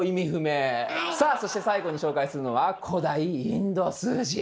さあそして最後に紹介するのは「古代インド数字」。